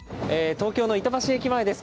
東京の板橋駅前です。